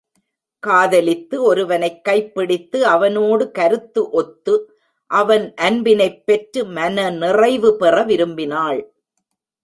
காதலித்து ஒருவனைக் கைப்பிடித்து அவனோடு கருத்து ஒத்து அவன் அன்பினைப் பெற்று மனநிறைவு பெற விரும்பினாள்.